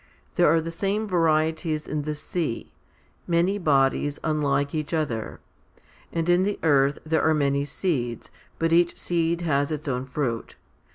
There are the same varieties in the sea many bodies unlike each other ; and in the earth there are many seeds, but each seed has its own fruit.